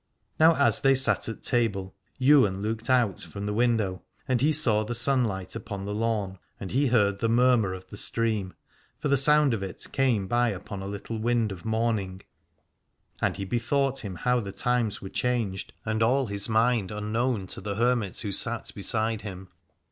Now as they sat at table Ywain looked out from the window, and he saw the sunlight upon the lawn, and he heard the murmur of the stream, for the sound of it came by upon a little wind of morning ; and he bethought him how the times were changed, and all his mind unknown to the hermit that sat beside him.